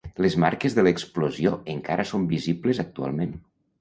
Les marques de l'explosió encara són visibles actualment.